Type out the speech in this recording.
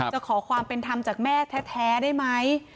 ขอความเป็นธรรมจากแม่แท้ได้ไหม